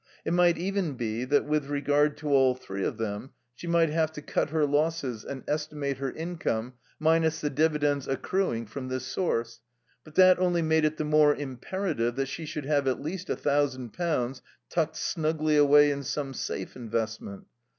It might even be that with regard to all three of them she might have to cut her losses and estimate her income minus the dividends accruing from this source. But that only made it the more imperative that she should have at least a thousand pounds tucked snugly away in some safe investment.